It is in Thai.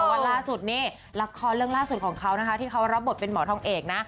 พอว่าราดนี้รักฐานเรื่องราดสุดให้เขารับบทเป็นหมอท่องเอกนะ